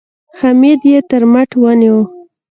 حميديې تر مټ ونيو.